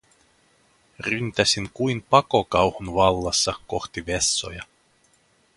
Ryntäsin kuin pakokauhun vallassa kohti vessoja.